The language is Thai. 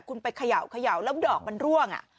คุณไปเขย่าแล้วดอกมันร่วง